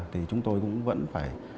thì chúng tôi cũng vẫn phải